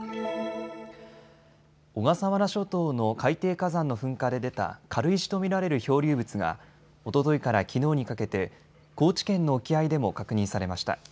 小笠原諸島の海底火山の噴火で出た軽石と見られる漂流物がおとといからきのうにかけて高知県の沖合でも確認されました。